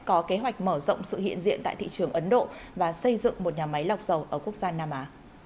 có kế hoạch mở rộng sự hiện diện tại thị trường ấn độ và xây dựng một nhà máy lọc dầu ở quốc gia nam á